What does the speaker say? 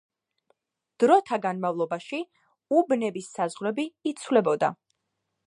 დროთა განმავლობაში უბნების საზღვრები იცვლებოდა.